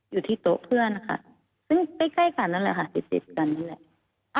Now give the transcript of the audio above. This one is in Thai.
อยู่ที่โต๊ะเพื่อนค่ะซึ่งใกล้กันนั่นแหละค่ะติดติดกันนั่นแหละ